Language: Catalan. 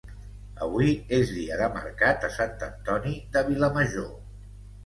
Avui és dia de mercat a Sant Antoni de Vilamajor